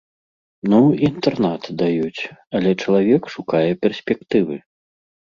Ну, інтэрнат даюць, але чалавек шукае перспектывы.